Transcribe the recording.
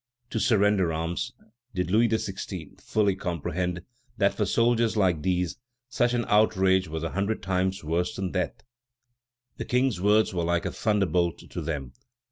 To surrender arms! Did Louis XVI. fully comprehend that for soldiers like these such an outrage was a hundred times worse than death? The King's words were like a thunderbolt to them.